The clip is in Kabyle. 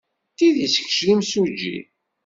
D tidet kečč d imsujji?